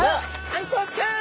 あんこうちゃん！